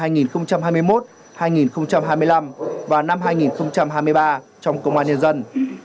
năm hai nghìn hai mươi một hai nghìn hai mươi năm và năm hai nghìn hai mươi ba trong công an nhân dân